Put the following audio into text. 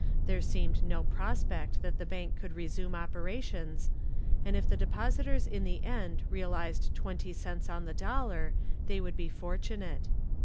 There seemed no prospect that the bank could resume operations, and if the depositors in the end realized twenty cents on the dollar they would be fortunate.